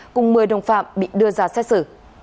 cùng một mươi đồng phạm bị đưa ra xét xử